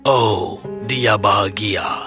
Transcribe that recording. oh dia bahagia